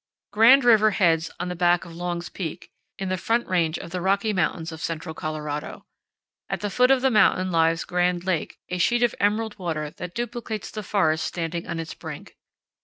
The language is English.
Grand River heads on the back of Long's Peak, in the Front Range of the Rocky Mountains of central Colorado. At the foot of the mountain lies Grand Lake, a sheet of emerald water that duplicates the forest standing on its brink.